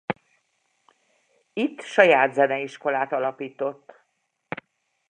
Itt saját zeneiskolát alapított.